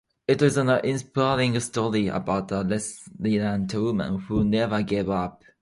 It is an inspiring story about a resilient woman who never gave up.